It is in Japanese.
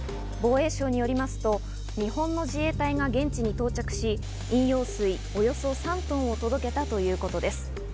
防衛省によりますと日本の自衛隊が現地に到着し、飲料水およそ３トンを届けたということです。